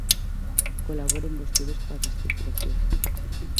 Colaboren vostedes coa reestruturación.